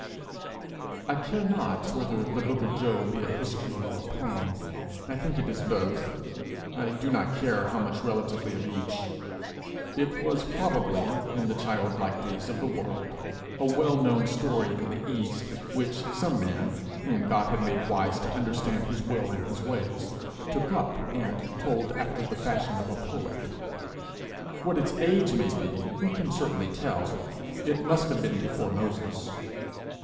I care not whether the book of Job be a history or a poem. I think it is both I do not care how much relatively of each. It was probably, in the childlike days of the world, a well known story in the east, which some man, whom God had made wise to understand his will and his ways, took up, and told after the fashion of a poet. What its age may be, who can certainly tell! it must have been before Moses.